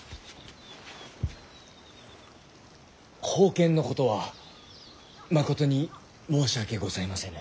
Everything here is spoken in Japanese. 宝剣のことはまことに申し訳ございませぬ。